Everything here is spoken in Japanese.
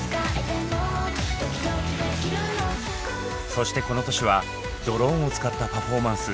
そしてこの年はドローンを使ったパフォーマンス。